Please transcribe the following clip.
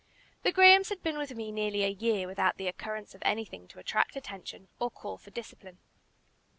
The Grahams had been with me nearly a year without the occurrence of anything to attract attention or call for discipline.